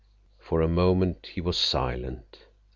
For a moment he was silent.